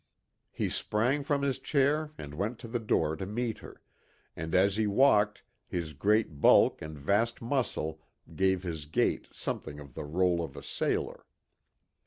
He sprang from his chair and went to the door to meet her, and as he walked his great bulk and vast muscle gave his gait something of the roll of a sailor.